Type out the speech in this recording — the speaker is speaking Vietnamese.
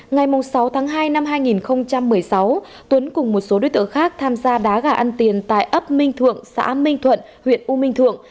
ngày sáu tháng hai năm hai nghìn một mươi sáu tuấn cùng một số đối tượng khác tham gia đá gà ăn tiền tại ấp minh thượng xã minh thuận huyện u minh thượng